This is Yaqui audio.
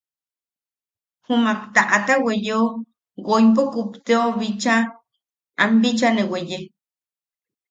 Jummak taʼata weyeo woimpo kupteo bicha am bicha ne weye.